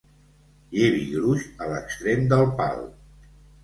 Llevi gruix a l'extrem del pal.